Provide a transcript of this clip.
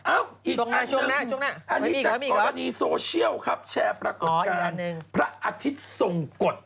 อีกอันหนึ่งอันนี้จากกรณีโซเชียลครับแชร์ปรากฏการณ์พระอาทิตย์ทรงกฎ